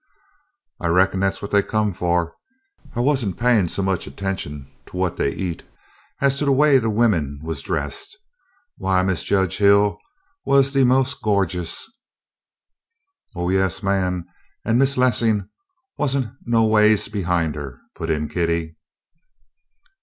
"I reckon dat 's what dey come fu'. I was n't payin' so much 'tention to what dey eat as to de way dem women was dressed. Why, Mis' Jedge Hill was des' mo'n go'geous." "Oh, yes, ma, an' Miss Lessing was n't no ways behin' her," put in Kitty.